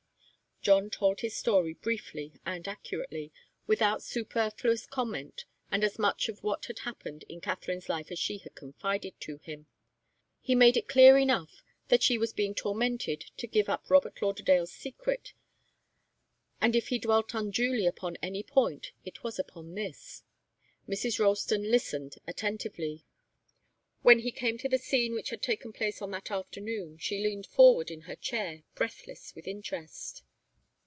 John told his story briefly and accurately, without superfluous comment, and as much of what had happened in Katharine's life as she had confided to him. He made it clear enough that she was being tormented to give up Robert Lauderdale's secret, and if he dwelt unduly upon any point, it was upon this. Mrs. Ralston listened attentively. When he came to the scene which had taken place on that afternoon, she leaned forward in her chair, breathless with interest.